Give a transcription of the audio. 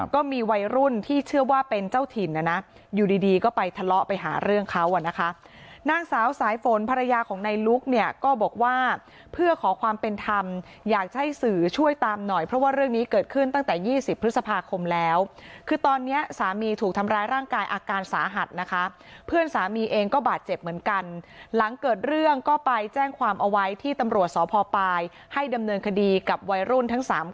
ก็มีวัยรุ่นที่เชื่อว่าเป็นเจ้าถิ่นนะนะอยู่ดีก็ไปทะเลาะไปหาเรื่องเขาอ่ะนะคะนางสาวสายฝนภรรยาของนายลุคเนี่ยก็บอกว่าเพื่อขอความเป็นธรรมอยากจะให้สื่อช่วยตามหน่อยเพราะว่าเรื่องนี้เกิดขึ้นตั้งแต่๒๐พฤษภาคมแล้วคือตอนนี้สามีถูกทำร้ายร่างกายอาการสาหัสนะคะเพื่อนสามีเองก็บาดเจ็บเหมือนกันหล